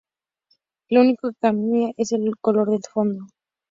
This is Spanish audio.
Lo único que cambia es el color de fondo.